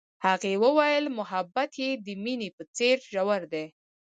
هغې وویل محبت یې د مینه په څېر ژور دی.